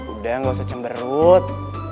udah gak usah cemberut